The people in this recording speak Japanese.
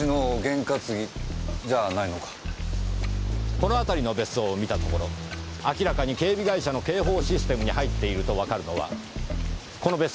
この辺りの別荘を見たところ明らかに警備会社の警報システムに入っているとわかるのはこの別荘だけです。